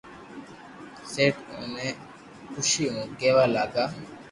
سب اوني خوݾي مون ڪيوا لاگا